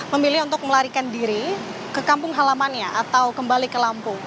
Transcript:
memilih untuk melarikan diri ke kampung halamannya atau kembali ke lampung